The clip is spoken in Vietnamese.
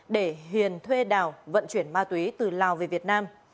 để hiền thuê đào vận chuyển ma túy từ lào về việt nam